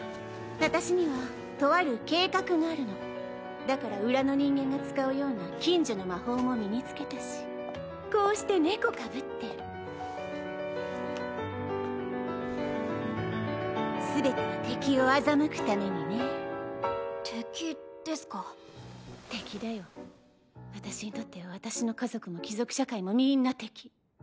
私にはとあだから裏の人間が使うような禁呪の魔法も身に付けたしこうして猫かぶってる全ては敵を欺くためにね敵ですか敵だ私にとっては私の家族も貴族社会もみんな敵。